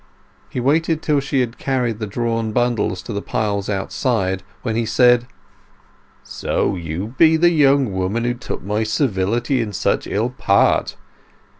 He waited till she had carried the drawn bundles to the pile outside, when he said, "So you be the young woman who took my civility in such ill part?